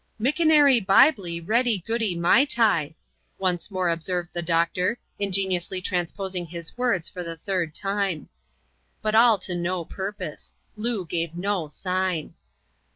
" Mickonaree Biblee ready goody maitai," once more ob served the doctor, ingeniously transposing his words for the third time. But all to no purpose ; Loo gave no sign.